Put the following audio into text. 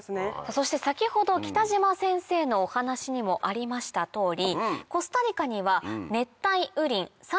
そして先ほど北島先生のお話にもありました通り。